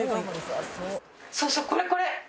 そうそうこれこれ。